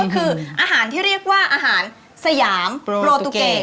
คืออาหารที่เรียกว่าอาหารสยามโปรตูเก